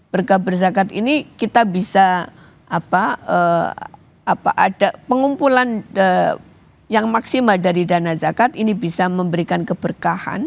berkat berzakat ini kita bisa ada pengumpulan yang maksimal dari dana zakat ini bisa memberikan keberkahan